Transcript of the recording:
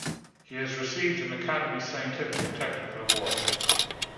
He has received an Academy Scientific and Technical Award.